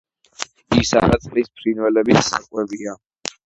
ისარა წყლის ფრინველების საკვებია.